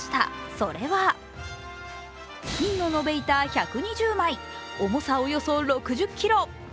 それは金の延べ板１２０枚、重さおよそ６０ｋｇ。